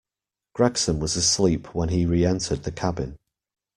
Gregson was asleep when he re-entered the cabin.